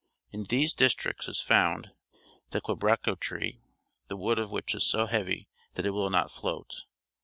In these districts is found the quebracho tree, the wood of which is so heavy that it will not float.